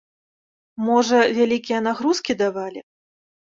Можа, вялікія нагрузкі давалі?